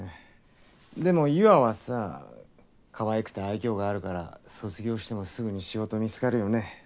でも優愛はさかわいくて愛嬌があるから卒業してもすぐに仕事見つかるよね。